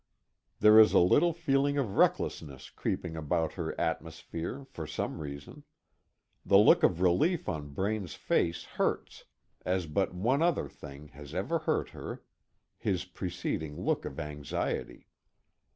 There is a little feeling of recklessness creeping about her atmosphere, for some reason. The look of relief on Braine's face hurts, as but one other thing has ever hurt her his preceding look of anxiety.